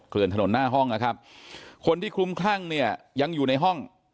เลื่อนถนนหน้าห้องนะครับคนที่คลุ้มคลั่งเนี่ยยังอยู่ในห้อง